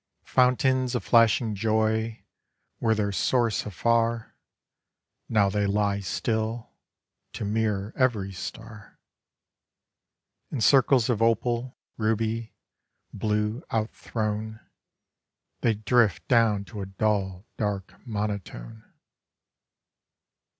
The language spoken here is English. Fountains of flashing joy were their source afar; Now they lie still, to mirror every star. In circles of opal, ruby, blue, out thrown, They drift down to a dull, dark monotone.